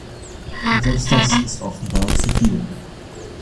Und selbst das ist offenbar zu viel.